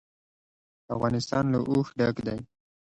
افغانستان له اوښ ډک دی.